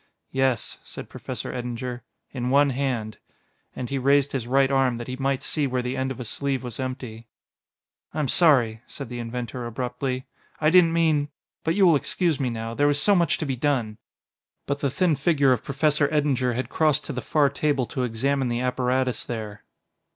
"Yes," said Professor Eddinger, "in one hand." And he raised his right arm that he might see where the end of a sleeve was empty. "I am sorry," said the inventor abruptly; "I didn't mean ... but you will excuse me now; there is so much to be done " But the thin figure of Professor Eddinger had crossed to the far table to examine the apparatus there.